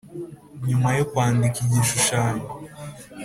nyuma yo kwandika igishushanyo